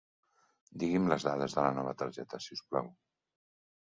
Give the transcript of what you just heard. Digui'm les dades de la nova targeta si us plau.